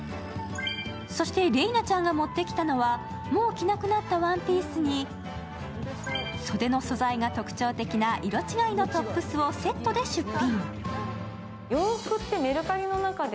そして麗菜ちゃんが持ってきたのは、もう着なくなったワンピースに、袖の素材が特徴的な色違いのトップスをセットで出品。